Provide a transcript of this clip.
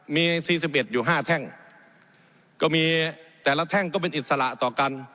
มี๔๑อยู่๕แท่งก็มีแต่ละแท่งก็เป็นอิสระต่อกัน